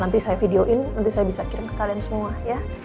nanti saya videoin nanti saya bisa kirim ke kalian semua ya